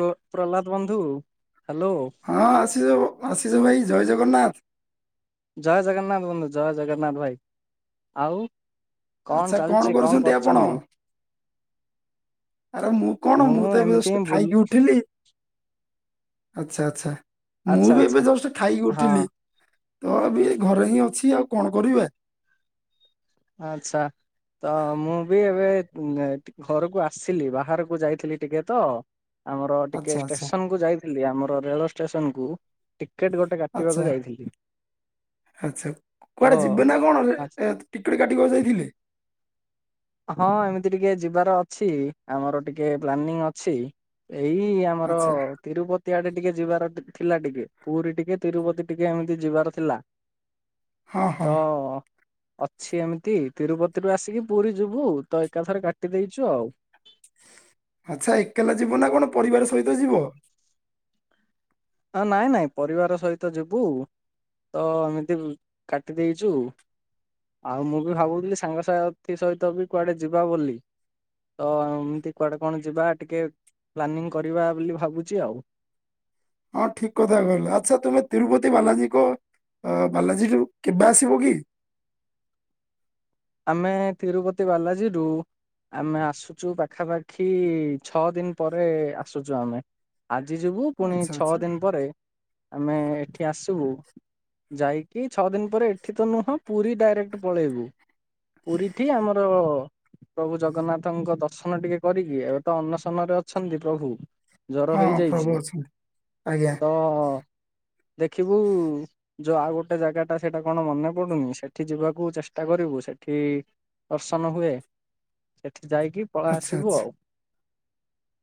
ପ୍ର ପ୍ରହ୍ଲାଦ ବନ୍ଧୁ। ହ୍ୟାଲୋ ହଁ ଆଶିଷ ବାବୁ ଆଶିଷ ଭାଇ ଜୟ ଜଗନ୍ନାଥ। ଜୟ ଜଗନ୍ନାଥ ବନ୍ଧୁ ଜୟ ଜଗନ୍ନାଥ ଭାଇ ଆଉ ଆଚ୍ଛା କଣ କରୁଛନ୍ତି ଆପଣ? ଆରେ ମୁଁ କଣ ମୁଁ ତ ଏବେ ଏମିତି ଜଷ୍ଟ ବୁଲ ଖାଇକି ଉଠିଲି ଆଚ୍ଛା ଆଚ୍ଛା। ମୁଁ ଆଚ୍ଛା ବି ଏବେ ଆଚ୍ଛା ଜଷ୍ଟ ଖାଇକି ହଁ ଉଠିଲି। ତ ଅବି ଘରେ ହିଁ ଅଛି ଆଉ କଣ କରିବା। ଆଚ୍ଛା। ତ ମୁଁ ବି ଏବେ ଘରକୁ ଆସିଲି ବାହାରକୁ ଯାଇଥିଲି ଟିକେ ତ ଆମର ଟିକେ ଆଚ୍ଛା ଆଚ୍ଛା ଷ୍ଟେସନ କୁ ଯାଇଥିଲି ଆମର ରେଳ ଷ୍ଟେସନ କୁ ଟିକେଟ ଗୋଟେ କାଟିବାକୁ ଆଚ୍ଛା। ଯାଇଥିଲି ଆଚ୍ଛା। ତ କୁଆଡେ ଯିବେ ନା କଣ? [unintelligible] ହଁ ଏମିତି ଟିକେ ଯିବାର ଅଛି ଆମର ଟିକେ ପ୍ଲାନିଂ ଅଛି। ଏଇ ଆମର ଆଚ୍ଛା ତିରୁପତି ଆଡେ ଟିକେ ଯିବାର ଥିଲା ଟିକେ। ପୁରୀ ଟିକେ ତିରୁପତି ଟିକେ ଏମିତି ଯିବାର ଥିଲା ହଁ ହଁ ତ ଅଛି ଏମିତି ତିରୁପତିରୁୁ ଆସିକି ପୁରୀ ଯିବୁ ତ ଏକା ଥରେ କାଟି ଦେଇଛୁ ଆଉ। ଆଚ୍ଛା ଏକଲା ଯିବ ନା କଣ ପରିବାର ସହିତ ଯିବ? ନାଇଁ ନାଇଁ ପରିବାର ସହିତ ଯିବୁ ତ ଏମିତି କାଟି ଦେଇଛୁ ଆଉ ମୁଁ ବି ଭାବୁଥିଲି ସାଙ୍ଗସାଥି ସହିତ ବି କୁଆଡେ ଯିବା ବୋଲି ତ ଏମିତି କୁଆଡେ କଣ ଯିବା ଟିକେ ପ୍ଲାନିଂ କରିବା ବୋଲି ଭାବୁଛି ଆଉ। ହଁ ଠିକ କଥା କହିଲ ଆଚ୍ଛା ତୁମେ ତିରୁପତି ବାଲାଜୀ କ ଅ ବାଲାଜୀକୁ କେବେ ଆସିବୁ କି? [inaudible] ଆମେ ତିରୁପତି ବାଲାଜୀରୁ ଆମେ ଆସୁଛୁ ପାଖାପାଖି ଛଅ ଦିନ ପରେ ଆସୁଛୁ ଆମେ। ଆଜି ଯିବୁ ପୁଣି ଆଚ୍ଛା ଛଅ ଆଚ୍ଛା ଦିନ ପରେ ଆମେ ଏଠି ଆସିବୁ ଯାଇକି ଛଅ ଦିନ ପରେ ଏଠି ତ ନୁହଁ ପୁରୀ ଡାଇରେକ୍ଟ ପଳେଇବୁ ପୁରୀଟି ଆମର ପ୍ରଭୁ ଜଗନ୍ନାଥଙ୍କ ଦର୍ଶନ ଟିକେ କରିକି ଏବେ ତ ଅନ୍ନଶନରେ ଅଛନ୍ତି ପ୍ରଭୁ ଜର ହଁ ପ୍ରଭୁ ହେଇଯାଇଛିୁ, ଅଛନ୍ତି ଆଜ୍ଞା ତ ଦେଖିବୁ ଯୋଉ ଆଉ ଗୋଟେ ଜାଗା ଟା ସେଇଟା କଣ ମନେ ପଡୁନି ସେଠି ଯିବାକୁ ଚେଷ୍ଟା କରିବୁ ସେଠାକୁ ଏଠି ଦର୍ଶନ ହୁଏ, ସେଠି ଯାଇକି ପଳ ଆଚ୍ଛା ଆଚ୍ଛା। ଆସିବୁ ଆଉ‌।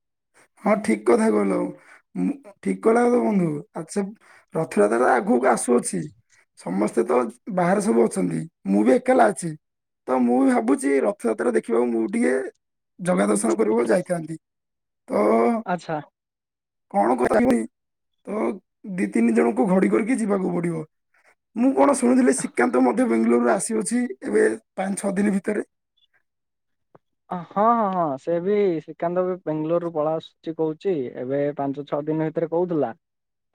[inaudible] ହଁ ଠିକ କଥା କହିଲ ଠିକ କଲା କ ତ ବନ୍ଧୁ ଆ ସେ ରଥଯାତ୍ରା ଆଗକୁ ଆ ଆସୁଅଛି, ସମସ୍ତେ ତ ବାହାରେ ସବୁ ଅଛନ୍ତି ମୁଁ ବି ଏକଲା ଅଛି‌ ତ ମୁଁ ବି ଭାବୁଛି ରଥଯାତ୍ରା ଦେଖିବାକୁ ମୁଁ ଟିକେ ଜଗା ଦର୍ଶନ କରିବାକୁ ଯାଇଥାନ୍ତି। ତ ଆଚ୍ଛା। କଣ କଥା ହୁି ତ ଦି ତିନି ଜଣଙ୍କୁ ଘଡି କରିକି ଯିବାକୁ ପଡିବ। ମୁଁ କଣ ଶୁଣୁଥିଲଥିଲେ ଶ୍ରୀକାନ୍ତ ମଧ୍ୟ ବେଙ୍ଗାଲୋରୁରେ ଆସିଅଛି ଏବେ ପାଞ୍ଚ ଛଅ ଦିନ ଭିତରେ? ହଁ ହଁ ହଁ ସେ ବି ଶ୍ରୀକାନ୍ତ ବି ବେଙ୍ଗାଲୋରରୁୁ ପଳ ଆସୁଛି କହୁଛି ଏବେ ପାଞ୍ଚ ଛଅ ଦିନ ଭିତରେ କହୁଥିଲା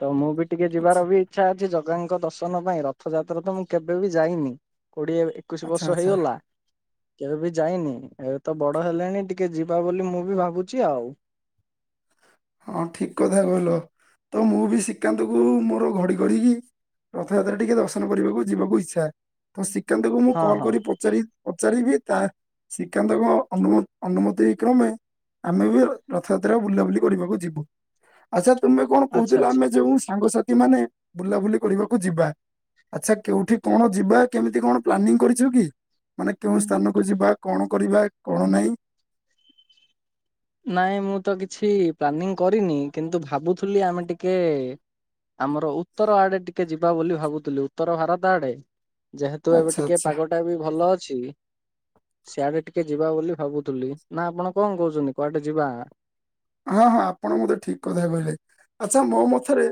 ତ ମୁଁ ବି ଟିକେ ଆଚ୍ଛା ଯିବାର ବି ଇଚ୍ଛା ଅଛି ଜଗାଙ୍କ ଦର୍ଶନ ପାଇଁ ରଥଯାତ୍ରା ତ ମୁଁ କେବେ ବି ଯାଇନି କୋଡିଏ ଏକୋଇଶି ଆଚ୍ଛା ବର୍ଷ ଆଚ୍ଛା ହେଇଗଲା କେବେ ବି ଯାଇନି ଏ ତ ବଡ ହେଲେଣି ଟିକେ ଯିବା ବୋଲି ମୁଁ ବି ଭାବୁଛି ଆଉ। ହଁ ଠିକ କଥା କହିଲ ତ ମୁଁ ବି ଶିିକାନ୍ତ କୁ ମୋର ଘଡି କରିକି ରଥଯାତ୍ରା ଟିକେ ଦର୍ଶନ କରିବାକୁ ଯିବାକୁ ଇଚ୍ଛା ତ ଶ୍ରୀକାନ୍ତଙ୍କୁ ମୁଁ ହଁ କଲ ହଁ କରି ପଚାରି ପଚାର ବିି ତା ଶ୍ରୀକାନ୍ତଙ୍କ ଅନ ଅନୁମତି କ୍ରମେ ଆମେ ବି ରଥଯାତ୍ରା ବୁଲାବୁଲି କରିବାକୁ ଯିବୁ ଆଚ୍ଛା ତୁମେ କଣ ଆଚ୍ଛା କହୁଥିଲ ଆଚ୍ଛା। ଆମେ ଯୋଉ ସାଙ୍ଗସାଥି ମାନେ ବୁଲାବୁଲି କରିବାକୁ ଯିବା ଆଚ୍ଛା କେୋଉଠି କଣ ଯିବା କେମିତି କଣ ପ୍ଲାନିଂ କରିଛୁ କି? ମାନେ କେଉଁ ସ୍ଥାନକୁ ଯିବା କଣ କରିବା କଣ ନାହିଁ? [inaudible] ନାଇଁ ମୁଁ ତ କିଛି ପ୍ଲାନିଂ କରିନି କିନ୍ତୁ ଭାବୁଥିଲି ଆମେ ଟିକେ ଆମର ଉତ୍ତର ଆଡେ ଟିକେ ଯିବା ବୋଲି ଭାବୁଥିଲୁ। ଉତ୍ତର ଭାରତ ଆଡେ। ଯେହେତୁ ଏବେ ଆଚ୍ଛା ଟିକେ ଆଚ୍ଛା। ପାଗଟା ବି ଭଲ ଅଛି। ସିଆଡେ ଟିକେ ଯିବା ବୋଲି ଭାବୁଥିଲି। ନା ଆପଣ କଣ କହୁଛନ୍ତି କୁଆଟେ ଯିବା। ହଁ ହଁ ଆପଣ ମତେ ଠିକ୍ କଥା କହିଲେ। ଆଚ୍ଛା ମୋ ମଥରେ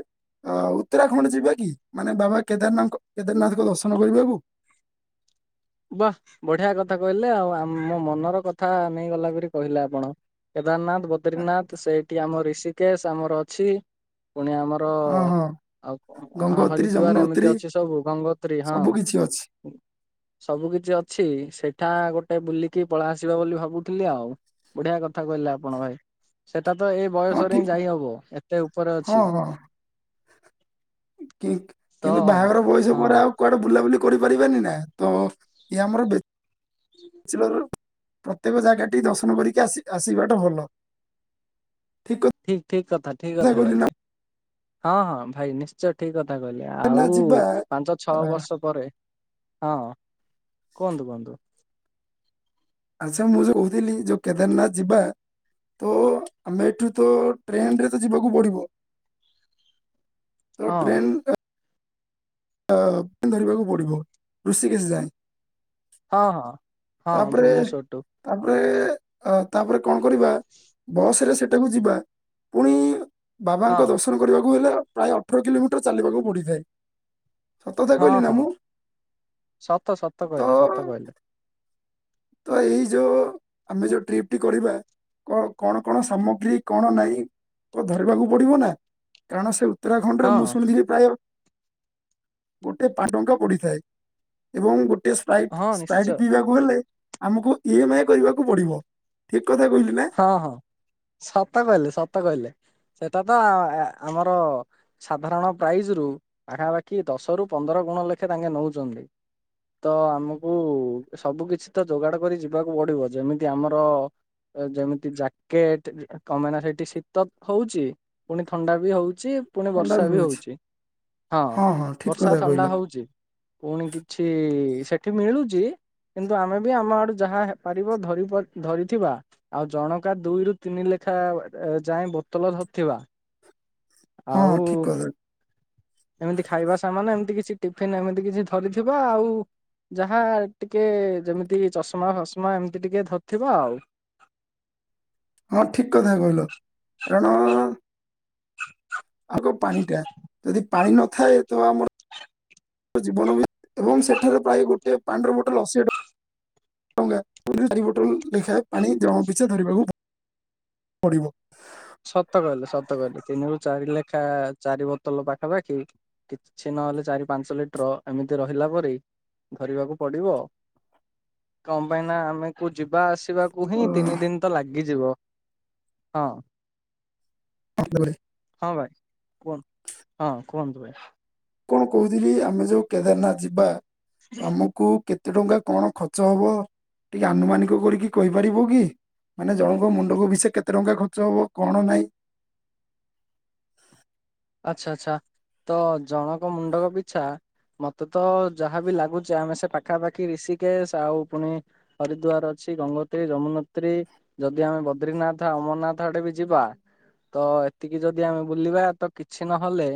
ଅ ଉତ୍ତରାଖଣ୍ଡ ଯିବା କି? ମାନେ ବାବା କେଦାରନାଥ କେଦାରନାଥଙ୍କ ଦର୍ଶନ କରିବାକୁ। [inaudible] ବା ବଢିଆ କଥା କହିଲେ। ଆଉ ମୋ ମନର କଥା ନେଇ ଗଲାପରି କହିଲେ ଆପଣ। ଉଦାରନାଥ ବଦ୍ରିନାଥ ସେଇଠି ଆମର ରିଷିକେଶ୍ ଆମର ଅଛି। ପୁଣି ଆମର ହଁ ହଁ ଆଉ ଗଙ୍ଗୋତ୍ରୀ ହରିଦ୍ୱାର ଏମିତି ଯମୁନୋତ୍ରୀ ଅଛି ସବୁ ଗଙ୍ଗୋତ୍ରୀ ହଁ। ସବୁ କିଛି ଅଛି ସବୁ କିଛି ଅଛି। ସେଠା ଗୋଟେ ବୁଲିକି ପଳାଇ ଆସିବା ବୋଲି ଭାବୁଥିଲି ଆଉ। ବଢିଆ କଥା କହିଲେ ଆପଣ ଭାଇ। ସେ ଏଟ ତ ଏଇ ହଁ ବୟସରେ ଠିକ ହିଁ ଯାଇ ହବ। ଏତେ ଉପରେ ହଁ ଅଛି। ହଁ ତ କିନ୍ତୁ ବାହାଘର ବୟସ ହଁ। ପରେ ଆଉ କୁଆଡେ ବୁଲାବୁଲି କରିପାରିବାନି ନା। ତ ଇଏ ଆମର ଭି [unintelligible] ପ୍ରତ୍ୟେକ ଜାଗାଟି ଦର୍ଶନ କରିକି ଆସି ଆସିବାଟା ଭଲ। ଠିକ୍ କ ଠିକ୍ କଥା ଠିକ କଥା କହିଲେ। ହଁ ହଁ ଭାଇ ନିଶ୍ଚୟ ଠିକ୍ କଥା। କଥା କହିଲି କେଦାରନାଥ ଆଉ ଯିବା ପାଞ୍ଚ ଛଅ ଆ, ବର୍ଷ ପରେ। ହଁ କୁହନ୍ତୁ କୁହନ୍ତୁ। ଆଚ୍ଛା ମୁଁ ଯୋଉ କହୁଥିଲି ଯୋଉ କେଦାରନାଥ ଯିବା। ତ ଆମେ ଏଠୁ ତ ଟ୍ରେନରେ ତ ଯିବାକୁ ପଡିବ। [inaudible] ତ ହଁ ଟ୍ରେନ୍ ଟା ଧରିବାକୁ ପଡିବ। ରୁଷିକେଶ୍ ଯାଏ। ହଁ ହଁ। ହଁ ତାପରେ ଭୁବନେଶ୍ଵରଠୁ ତାପରେ ଅ ତାପରେ କଣ କରିବା ବସ୍ ରେ ସେଟାକୁ ଯିବା। ପୁଣି ବାବାଙ୍କ ହଁ ଦର୍ଶନ କରିବାକୁ ହେଲେ ପ୍ରାୟ ଅଠର କିଲୋମିଟର ଚାଲିବାକୁ ପଡିଥାଏ। ସତଥା ହଁ କହିଲି ନା ହଁ ମୁଁ ସତ ସତ ତ କହିଲେ ସତ କହିଲେ। ତ ଏଇ ଯୋଉ ଆମେ ଯୋଉ ଟ୍ରିପଟି କରିବା। କ କଣ କଣ ସାମଗ୍ରୀ କଣ ନାଇଁ ଧରିବାକୁ ପଡିବ ନା। କାରଣ ସେ ଉତ୍ତରାଖଣ୍ଡରେ ମୁଁ ହଁ। ଶୁଣିଥିଲି ପ୍ରାୟ ଗୋଟେ ପାଟଙ୍କା ପଡିଥାଏ। ଏବଂ ଗୋଟେ ଏ ସ୍ପାଇଟ୍ ହଁ ସ୍ପାଇଟ୍ ନିଶ୍ଚୟ ପିଇବାକୁ ହେଲେ ଆମକୁ ଇ ଏମ୍ ଆଇ କରିବାକୁ ପଡିବ। ଠିକ୍ ହଁ ହଁ ସତ କହିଲେ ସତ କହିଲେ। ସେଟା ତ ଆମର ସାଧାରଣ ପ୍ରାଇଜ୍ ରୁ ପାଖାପାଖି ଦଶ ରୁ ପନ୍ଦରଣ କଣ ଲେଖେ ତାଙ୍କେ ନଉଛନ୍ତି। ତ ଆମକୁ ସବୁ କିଛି ତ ଯୋଗାଡ କରି ଯିବାକୁ ପଡିବ। ଯେମିତି ଆମର ଯେମିତି ଜ୍ୟାକେଟ୍ କମେ ନା ସେଇଠି ଶୀତ ହଉଛି। ପୁଣି ଥଣ୍ଡା ବି ହଉ ସିଏ ପୁଣି ବର୍ଷା ବି ହଉଛି। ହଁ ଠିକ ବର୍ଷା କଥା ଥଣ୍ଡା କହିଲ ହଉଛି। ପୁଣି କିଛି ସେଠ ଏଠି ମିଳୁଛି କିନ୍ତୁ ଆମେ ବି ଆମ ଆଡୁ ଯାହା ପାରିବ ଧରି ପା ଧରିଥିବା। ଆଉ ଜଣକା ଦୁଇରୁୁ ତିନି ଲେଖା ଯାଏ ବୋତଲ ଧରିଥିବା। ହଁ ଆଉ ଠିକ କଥା ଏମିତି ଖାଇବା ସାମାନ ଏମିତି କିଛି ଟିଫନ୍ ଏମିତି କିଛି ଧରିଥିବା ଆଉ। ଯାହା ଟିକେ ଯେମିତି ଚଷମା ଫସମା ଏମିତି ଟିକେ ଧରିଥିବ ଆଉ। [inaudible] ହଁ ଠିକ୍ କଥା କହିଲ। କାରଣ ଆଗ ପାଣି ଟା ଯଦି ପାଣି ନଥାଏ ତ ଆମର ଜୀବନ ଏବଂ ସେଠାରେ ପ୍ରାୟ ଗୋଟିଏ ପାଣ୍ଡର ବୋଟଲ ଅଶୀ ଟଙ୍କା। ଟଙ୍କା ପୁରା ଚାରି ବୋଟଲ ଲେଖାଏ ପାଣି ଜନଙ୍କ ପିଛା ଧରିବାକୁ ପିଡିବ। ସତ କହିଲେ, ସତ କହିଲି ତିନିରୁ ଚାରି ଲେଖା ଚାରି ବୋତଲ ପାଖାପାଖି କିଛି ନହେଲେ ଚାରି ପାଞ୍ଚ ଲିଟର ଏମିତି ରହିଲା ପରେ ଧରିବାକୁ ପଡିବ କଣ ପାଇଁ ନା ଆମେ କଉ ଯିବା ଆସ ବାକୁ ଅ ହିଁ, ତିନି ଦିନ ତ ଲାଗିଯିବ ହଁ। [unintelligible] ହଁ ଭାଇ କୁହ ହଁ କୁହନ୍ତୁ ଭାଇ! କଣ କହୁଥିଲି, ଆମେ ଯୋଉ କେଦାରନାଥ ଯିବା, ତମକୁ କେତେ ଟଙ୍କା କଣ ଖର୍ଚ୍ଚ ହେବ, ଟିକେ ଆନୁମାନିକ କରିକି କହିପାରିବ କି? ମାନେ ଜଣଙ୍କ ମୁଣ୍ଡକୁ ବିଷେ କେତେ ଟଙ୍କା ଖର୍ଚ୍ଚ ହବ, କଣ ନାଇଁ? ଆଛା, ଆଛା। ତ ଜଣକ ମୁଣ୍ଡକ ପିଛା ମତେ ତ ଯାହାବି ଲାଗୁଛି, ଆମେ ସେ ପାଖାପାଖି ରଋଷିକେଶ ଆଉ ପୁଣି ହରିଦଵାର ଅଛି ଗଙ୍ଗୋତ୍ରୀ, ଯମୁନୋତ୍ରୀ, ଯଦି ଆମେ ବଦ୍ରିନାଥ ଅମରନାଥ ଆଡେ ବି ଯିବା ତ ଏତିକି ଯଦି ଆମେ ବୁଲିବା ତ କିଛି ନହେଲେ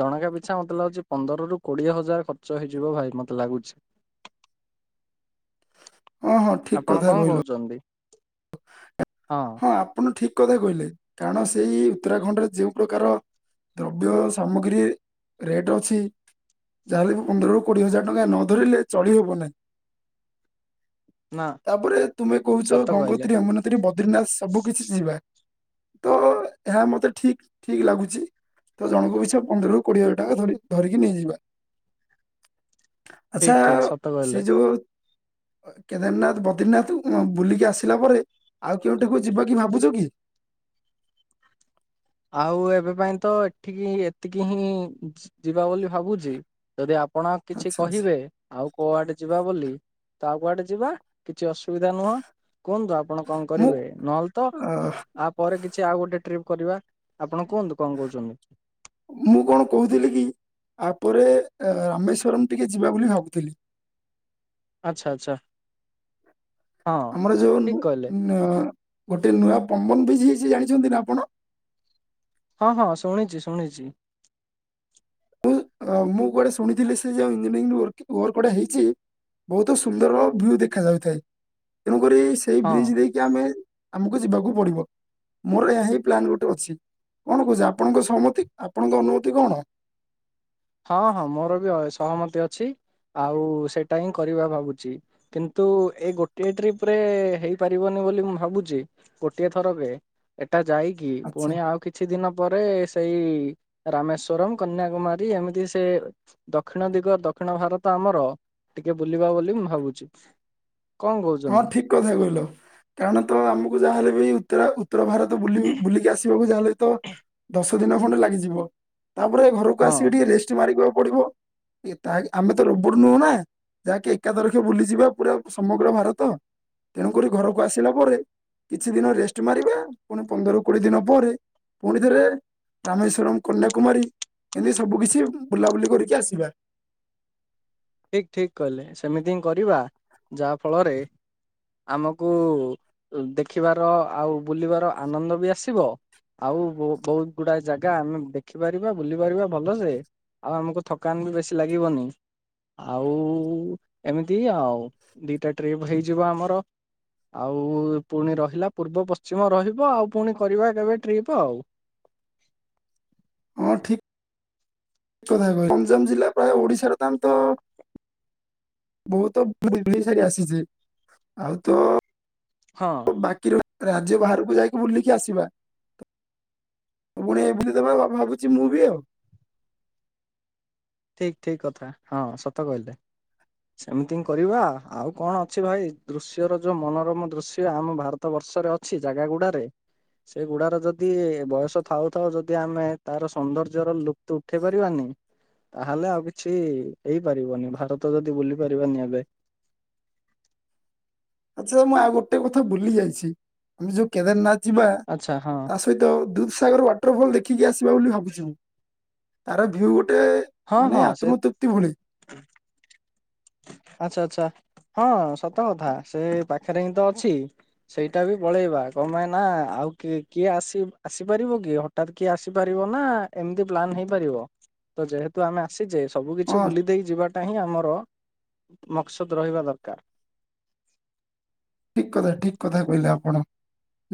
ଜଣକା ପିଛା ମତେ ଲାଗୁଛି, ପନ୍ଦର ରୁ କୋଡିଏ ହଜାର ଖର୍ଚ୍ଚ ହେଇଯିବ ଭାଇ ମତେ ଲାଗୁଛି! ହଁ ହଁ ଠିକ ଆପଣ କଥା କଣ କହିଲ କହୁଛନ୍ତି? ହଁ ଆପଣ ଠିକ କଥା କହିଲେ, କାରଣ ସେଇ ଉତ୍ତରାଖଣ୍ଡରେ ଯୋଉ ପ୍ରକାର ଦ୍ରବ୍ୟ ସାମଗ୍ରୀ ରେଟ ଅଛି ଯାହାେଲେ ବି ପନ୍ଦରରୁ କୋଡିଏ ହଜାର ଟଙ୍କା ନ ଧରିଲେ ଚଢିହବ ନାହିଁ। [inaudible] ନା ତାପରେ ତୁମେ କହୁଛ ସତ କହିଲେ ଗଙ୍ଗୋତ୍ରୀ, ଅମୁନତ୍ରୀ, ବଦ୍ରିନାଥ, ସବୁ କିଛି ଯିବା ତ ହେ ମତେ ଠିକ ଠିକ ଲାଗୁଛି ତ ଜଣଙ୍କୁ ବିଛ ପନ୍ଦରରୁ କୋଡିଏ ହଜାର ଟଙ୍କା ଧରିକି ନେଇଯିବା। [inaudible] ଆଛା ଠିକ ଠିକ ସତ ସେ କହିଲେ। ଯୋଉ କେଦାରନାଥ ବଦ୍ରିନାଥ ବୁଲିକି ଆସିଲା ପରେ ଆଉ କେଉଁଠାକୁ ଯିବା କି ଭାବୁଛ କି? ଆଉ ଏବେ ପାଇଁ, ତ ଏଠିକି ଏତିକି ହିଁ ଯିବା ବୋଲି ଭାବୁଛି ଯଦି ଆପଣ କିଛି ଆଚ୍ଛା ଆଚ୍ଛା କହିବେ ଆଉ କୋଆଡେ ଯିବା ବୋଲି, ତ ଆଉ କୁଆଡେ ଯିବା କିଛି ଅସୁବିଧା ନୁହଁ କୁହନ୍ତୁ, ଆପଣ କଣ ମୁଁ କରିବେ! ନହେଲେ ତ ଅ, ଆଉ ପରେ କିଛି ଆଉ ଗୋଟେ ଟ୍ରିପ୍ କରିବା, ଆପଣ କୁହନ୍ତୁ କଣ କହୁଛନ୍ତି? ମୁଁ କଣ କହୁଥିଲି କି ତାପରେ ରାମେଶ୍ଵରମ ଟିକେ ଯିବା ବୋଲି ଭାବୁଥିଲି! ଆଚ୍ଛା ଆଚ୍ଛା। ହଁ ଆମର ଯୋଉ ଠିକ କହିଲେ ଗୋଟେ ନୂଆ ପମ୍ବନ ବି ହେଇଛି ଜାଣିଛନ୍ତି ନା ଆପଣ? ହଁ ହଁ ଶୁଣିଛି ଶୁଣିଛି। ମୁଁ କୁଆଟେ ଶୁଣିଥିଲି ସେ ଯ ଇଞଜୋଟା ହେଇଛି ବହୁତ ସୁନ୍ଦର ଭି ଦେଖ ଯାଉଥାଏ, ତେଣୁକରି ସେଇ ବ୍ରିଜ ହଁ। ଦେଇକି ଆମେ ଆମକୁ ଯିବାକୁ ପଡିବ। ମୋର ଏହା ହିଁ ପ୍ଲାନ ଗୋଟେ ଅଛି, କଣ କହୁଛି ଆପଣଙ୍କ ସହମତି ଆପଣଙ୍କ ଅନୁମତି କଣ? ହଁ ହଁ ମୋର ବି ସହମତି ଅଛି ଆଉ ସେଇଟା ହିଁ କରିବା ଭାବୁଛି, କିନ୍ତୁ ଏଇ ଗୋଟେ ଟ୍ରିପ ରେ ହେଇପାରିବନି ବୋଲି ମୁଁ ଭାବୁଛି ଗୋଟିଏ ଥରକ ଟା ଯାଇକି ଆଚ୍ଛା ପୁଣି ଆଉ କିଛି ଦିନ ପରେ ସେଇ ରାମେଶଵରମ, କନ୍ୟାକୁମାରୀ ଏମିତି ସେ ଦକ୍ଷିଣ ଦିଗ, ଦକ୍ଷିଣ ଭାରତ ଆମର ଟିକେ ବୁଲିବା ବୋଲି ମୁଁ ଭାବୁଛି। କଣ ହଁ କହୁଛନ୍ତି ଠିକ କଥା କହିଲ, କାରଣ ତ ଆମକୁ ଯାହାହଲେ ବି ଉତ୍ତରା ଉତ୍ତର ଭାରତ ବ ବୁଲିକି ଆସିବାକୁ, ଯାହାହେଲେ ତ ଦଶ ଦିନ ଖଣ୍ଡେ ଲାଗିଯିବ ତାପରେ ଘରକୁ ହଁ ଆସିକି ଟିକେ ରେଷ୍ଟ ମାରିକୁ ପଡିବ। ଏ ତାହାଗି ଆମେ ତ ରୋବଟ୍ ନୁହଁ ନା ଯାହାକି ଏକା ତରଖେ ବୁଲିଯିବା ପୁରା ସମଗ୍ର ଭାରତ। ତ ତେଣୁକରି ଘରକୁ ଆସିଲା ପରେ କିଛି ଦିନ ରେଷ୍ଟ ମାରିବା ପୁଣି ପନ୍ଦର ରୁ କୋଡିଏ ଦିନ ପରେ ପୁଣି ଥରେ ରାମେଶ୍ଵରମ କନ୍ୟାକୁମାରୀ ଏମିତି ସବୁ କିଛି ବୁଲାବୁଲି କରିକି ଆସିବା। ଠିକ ଠିକ କହିଲେ ସେମିତି ହିଁ କରିବା ଯାହା ଫଳରେ ଆମକୁ ଦେଖିବାର ଆଉ ବୁଲିବାର ଆନନ୍ଦ ବି ଆସିବ। ଆଉ ବୋହୁ ବୋହୁତ ଗୁଡାଏ ଜାଗା ଆମେ ଦେଖିପାରିବା ବୁଲି ପାରିବା ଭଲ ସେ। ଆଉ ଆମକୁ ଥକାନ ବି ବେଶୀ ଲାଗିବନି। ଆଉ ଏମିତି ଆଉ ଦିଟା ଟ୍ରିପ୍ ହେଇଯିବ ଆମର। ଆଉ ପୁଣି ରହିଲା ପୂର୍ବ ପଶ୍ଚିମ ରହିବ ଆଉ ପୁଣି କରିବା କେବେ ଟ୍ରିପ୍ ଆଉ। [inaudible] ହଁ ଠିକ୍। ଠିକ୍ କଥା କହିଲେ ଗଞ୍ଜାମ ଜିଲ୍ଲା ପ୍ରାୟ ଓଡିଶାର [unintelligible] ବହୁତ [unintelligible] ସାରି ଆସିଛି ଆଉ ତ ହଁ ବାକି ରହିଲା ରାଜ୍ୟ ବାହାରକୁ ଯାଇକି ବୁଲିକି ଆସିବା ମୁଁ ପୁଣି [unintelligible] [unintelligible] ଭାବୁଛି ମୁଁ ବି ଆଉ ଠିକ୍ ଠିକ୍ କଥା ହଁ ସତ କହିଲେ। ସେମିତି ହିଁ କରିବା ଆଉ କଣ ଅଛି ଭାଇ ଦୃଶ୍ୟର ଯୋଉ ମନୋରମ ଦୃଶ୍ୟ ଆମ ଭାରତ ବର୍ଷ ର୍ଷରେ ଅଛି ଜାଗା ଗୁଡାରେ ସେଗୁଡାର ଯଦି ବୟସ ଥାଉ ଥାଉ ଯଦି ଆମେ ତାର ସୌନ୍ଦର୍ଯ୍ୟ ର ଲୁପ୍ତ ଉଠେଇ ପାରିବାନି ହୁଁ ତାହେଲେ ଆଉ କିଛି ହେଇପାରିବନି ଭାରତ ଯଦି ବୁଲି ପାରିବାନି ଏବେ। [inaudible] ଆଚ୍ଛା ମୁଁ ଆଉ ଗୋଟେ କଥା ଭୁଲି ଯାଇଛି ଆମେ ଯୋଉ କେଦାରନାଥ ଯିବା ଆଚ୍ଛା ହଁ ତା ସହିତ ଦୁଧସାଗର ୱାଟରଫଲ ଦେଖିକି ଆସିବା ବୋଲି ଭାବୁଛି ମୁଁ ଆର ଭିଉ ଗୋଟେ ହଁ ମାନେ ହଁ ସେ ଆତ୍ମତୃପ୍ତି [unintelligible] ହ ଆଚ୍ଛା ଆଚ୍ଛା ହଁ ସତ କଥା ସେ ପାଖରେ ହିଁ ତ ଅଛି ସେଇଟା ବି ପଳେଇବା। କମାଇନା ଆଉ କିଏ କିଏ ଆସି ଆସିପାରିବ କି ହଠତ୍ କିଏ ଆସିପାରିବ ନା ଏମିତି ପ୍ଲାନ୍ ହେଇପାରିବ ତ ଯେହେତୁ ଆମେ ଆସିଚେ ସବୁ କିଛି ହଁ ବୁଲି ଦେଇେ ଯିବାଟା ହିଁ ଆମର ମକସଦ ରହିବା ଦରକାର। ଠିକ୍ କଥା ଠିକ୍ କଥା କହିଲେ ଆପଣ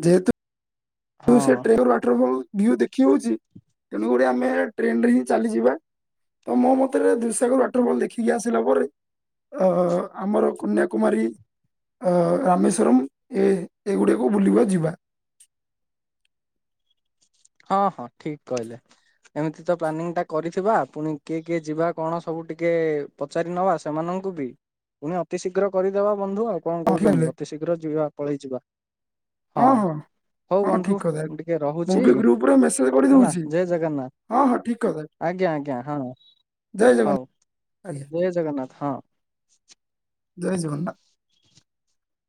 ଯେହେତୁ ହଁ ସେ [unintelligible] ୱାଟଫଲ୍ ଭିୟୁ ଦେଖି ହଉଚି ତେଣୁ [unintelligible] ଆମେ ଟ୍ରେନ ରେ ହିଁ ଚାଲିଯିବା। ତ ମୋ ମତରେ ଦୁଇସାଗର ୱାଟରବଲ୍ ଦେଖିକି ଆସିଲା ପରେ ଅ ଆମର କନ୍ୟାକୁମାରୀ ଅ ରାମେଶ୍ୱରମ୍ ଏ ଏଗୁଡ଼କୁ ବୁଲିବା ଯିବା। ହଁ ହଁ ଠିକ କହିଲେ। ଏମିତି ତ ପ୍ଲାନିଂ ଟା କରିଥିବା ପୁଣି କିଏ କିଏ ଯିବା କଣ ସବୁ ଟିକେ ପଚାରି ନବା ସେମାନଙ୍କୁ। [unintelligible] ପୁଣି ଅତି ଶୀଘ୍ର କରିଦବା ବନ୍ଧୁ ଆଉ କଣ ହଁ ଠିକ କହୁଛନ୍ତି କହିଲେ ଅତି ଶୀଘ୍ର ଯିବା ପଳେଇ ଯିବା। ହଁ ହଁ ହଁ ଠିକ୍ ବନ୍ଧୁ କଥା ମୁଁ ଟିକେ ମୁଁ ରହୁଛି ବି ଗ୍ରୁପ ପୁରା ମେସେଜ ହେଲା ଗଢ଼ିଦଉଛି ଜୟ ଜଗନ୍ନାଥ ହଁ ହଁ ଠିକ୍ କଥା। ଆଜ୍ଞା ଆଜ୍ଞା ହଁ ଜୟ ହଉ ଜଗନ୍ନାଥ। ଆଜ୍ଞା ଜୟ ଜଗନ୍ନାଥ ହଁ। ଜୟ ଜଗନ୍ନାଥ।